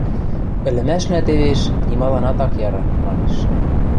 – Ӹлӹмӓшнӓ тевеш, нималанат ак яры... – манеш.